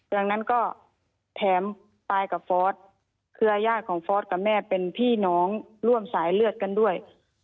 ดังนั้นก็แถมปายกับฟอสเครือญาติของฟอสกับแม่เป็นพี่น้องร่วมสายเลือดกันด้วย